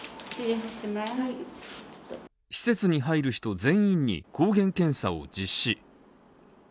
施設に入る人全員に抗原検査を実施。